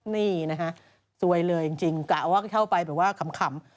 นี่นะฮะซวยเลยจริงกะว่าเข้าไปแบบว่าขำ